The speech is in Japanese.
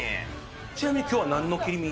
ちなみにきょうはなんの切り身。